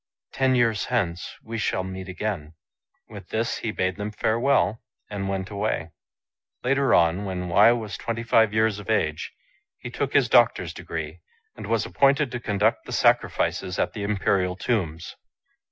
Ten years hence we shall meet again." With this he bade them farewell, and went away. Later on, when Wei was twenty two years of age, he took his doctor's degree, and was appointed to conduct the sacrifices at the Imperial tombs.